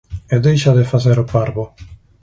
E deixa de facer o parvo.